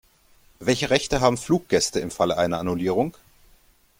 Welche Rechte haben Fluggäste im Falle einer Annullierung?